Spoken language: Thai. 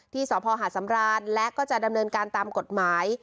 สภหาดสำราญและก็จะดำเนินการตามกฎหมาย